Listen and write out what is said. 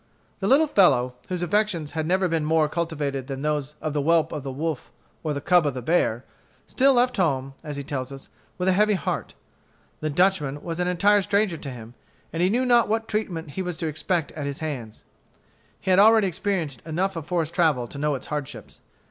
The little fellow, whose affections had never been more cultivated than those of the whelp of the wolf or the cub of the bear, still left home, as he tells us, with a heavy heart. The Dutchman was an entire stranger to him, and he knew not what treatment he was to expect at his hands. He had already experienced enough of forest travel to know its hardships.